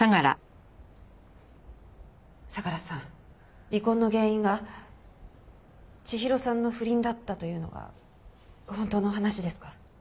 相良さん離婚の原因が千尋さんの不倫だったというのは本当の話ですか？